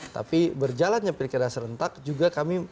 tapi berjalannya pilkada serentak juga kami